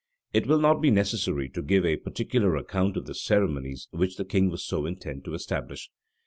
It will not be necessary to give a particular account of the ceremonies which the king was so intent to establish.